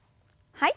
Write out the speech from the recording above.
はい。